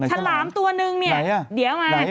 ฉลามตัวนึงเนี่ย